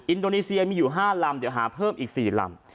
อินโดนีเซียมีอยู่๕ลำเดี๋ยวหาเพิ่มอีก๔ลำ